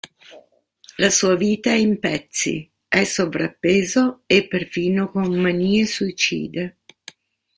La sua vita è in pezzi, è sovrappeso e perfino con manie suicide.